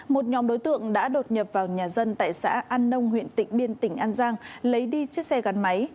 một nhóm đối tượng đã đột nhập vào nhà dân tại xã an nông huyện tịnh biên tỉnh an giang lấy đi chiếc xe gắn máy